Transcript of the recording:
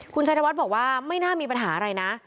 คุณชัยธวัฒน์บอกว่าไม่น่ามีปัญหาอะไรนะ